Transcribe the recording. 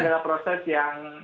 dalam birokrasi pemerintahan